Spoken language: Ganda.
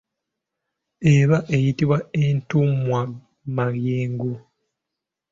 Eba eyitibwa entumwamayengo.